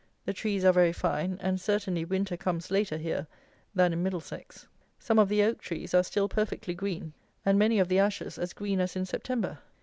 The trees are very fine, and certainly winter comes later here than in Middlesex. Some of the oak trees are still perfectly green, and many of the ashes as green as in September.